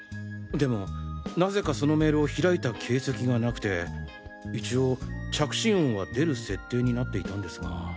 でもなぜかそのメールを開いた形跡がなくて一応着信音は出る設定になっていたんですが。